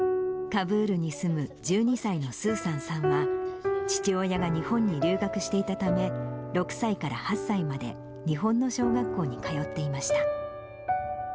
カブールに住む１２歳のスーサンさんは、父親が日本に留学していたため、６歳から８歳まで日本の小学校に通っていました。